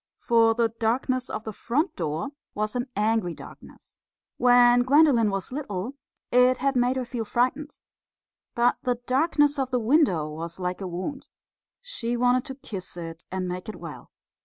For the darkness of the front door was an angry darkness. When Gwendolen was little, it had made her feel frightened. But the darkness of the window was like a wound. She wanted to kiss it and make it well.